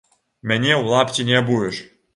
Мяне ў лапці не абуеш!